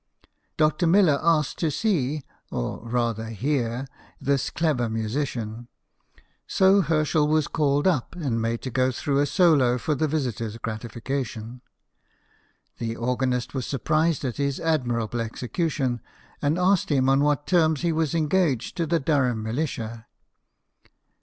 Dr. Miller asked to see (or rather hear) this clever musician ; so Herschel was called up, and made to go through a solo for the visitor's gratification. The organist was surprised at his admirable execution, and asked him on what terms he was engaged to the Durham militia.